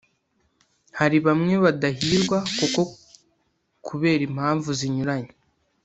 Hari bamwe badahirwa kuko kubera impamvu zinyuranye